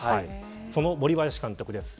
その森林監督です。